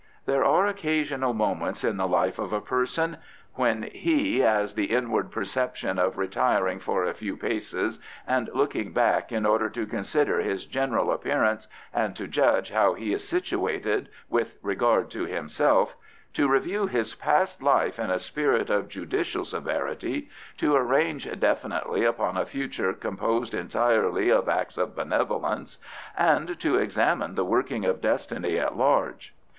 There are occasional moments in the life of a person when he has the inward perception of retiring for a few paces and looking back in order to consider his general appearance and to judge how he is situated with regard to himself, to review his past life in a spirit of judicial severity, to arrange definitely upon a future composed entirely of acts of benevolence, and to examine the working of destiny at large.